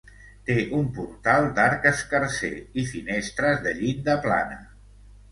Té un portal d'arc escarser i finestres de llinda plana.